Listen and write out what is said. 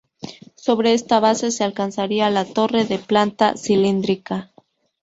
Sobre esta base se alzaría la torre de planta cilíndrica.